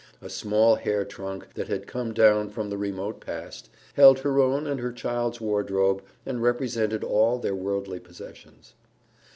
A small hair trunk, that had come down from the remote past, held her own and her child's wardrobe and represented all their worldly possessions.